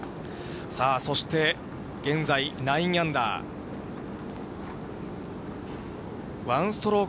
さあ、そして現在、９アンダー。